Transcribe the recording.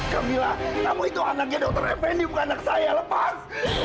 gemila kamu itu anaknya dokter fnd bukan anak saya lepas